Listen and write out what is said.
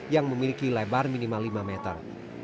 yang memiliki lebar minimal lima meter